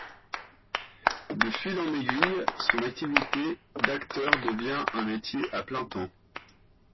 De fil en aiguille, son activité d'acteur devient un métier à plein temps.